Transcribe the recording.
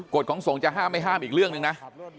ของส่งจะห้ามไม่ห้ามอีกเรื่องหนึ่งนะ